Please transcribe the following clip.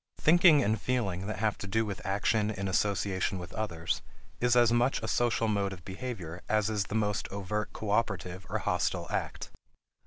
Thinking and feeling that have to do with action in association with others is as much a social mode of behavior as is the most overt cooperative or hostile act.